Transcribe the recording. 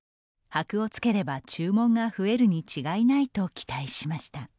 はくをつければ注文が増えるに違いないと期待しました。